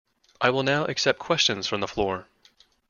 I will now accept questions from the floor.